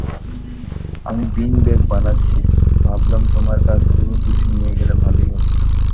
আমি bean bag বানাচ্ছি, ভাবলাম তোমার কাছ থেকেও কিছু নিয়ে গেলে ভালোই হবে।